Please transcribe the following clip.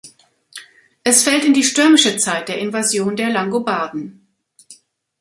Es fällt in die stürmische Zeit der Invasion der Langobarden.